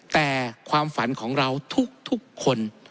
แต่ความฝันของเราทุกคน